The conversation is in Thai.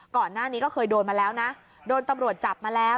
ก่อนหน้านี้ก็เคยโดนมาแล้วนะโดนตำรวจจับมาแล้ว